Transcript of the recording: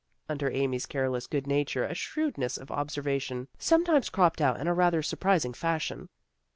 Under Amy's careless good nature a shrewdness of observa tion sometimes cropped out in a rather surpri sing fashion.